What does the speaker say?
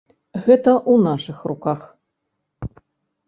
Гэта ў нашых руках.